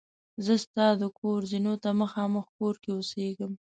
زه ستا د کور زینو ته مخامخ کور کې اوسېدم.